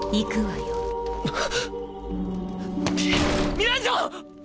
ミランジョ！！